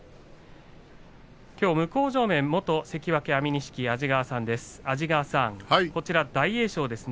きょう向正面元関脇安美錦安治川さんです。